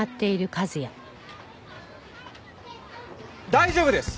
大丈夫です！